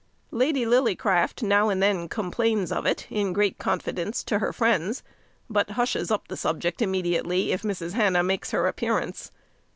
Lady Lillycraft now and then complains of it, in great confidence, to her friends, but hushes up the subject immediately, if Mrs. Hannah makes her appearance.